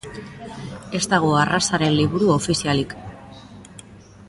Ez dago arrazaren liburu ofizialik.